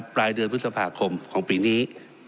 ปลายเดือนพฤษภาคมของปีนี้